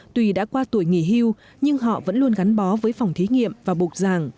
tùy đã qua tuổi nghỉ hưu nhưng họ vẫn luôn gắn bó với phòng thí nghiệm và bột giảng